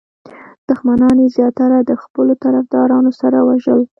دښمنان یې زیاتره د خپلو طرفدارانو سره وژل.